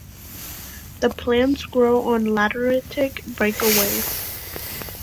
The plants grow on lateritic breakaways.